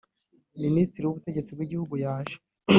Minisitiri w Ubutegetsi bwigihugu yaje